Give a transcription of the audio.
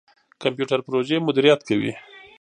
کمپيوټر پروژې مديريت کوي.